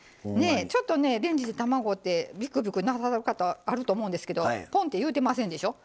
ちょっとねレンジで卵ってびくびくなさる方あると思うんですけどポンっていうてませんでしょ。